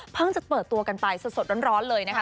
จะเปิดตัวกันไปสดร้อนเลยนะคะ